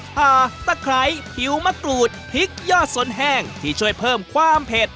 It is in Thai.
ผ่าตะไคร้ผิวมะกรูดพริกยอดสนแห้งที่ช่วยเพิ่มความเผ็ด